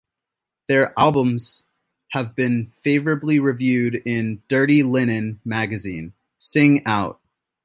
Their albums have been favorably reviewed in "Dirty Linen" magazine, "Sing Out!